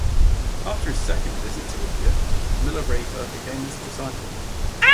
After his second visit to India Milarepa became his disciple.